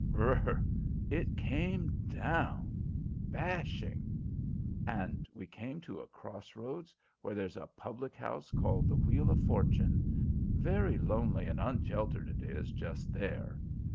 B r r r r! it came down ... bashing! And we came to a cross roads where there's a public house called The Wheel of Fortune, very lonely and onsheltered it is just there.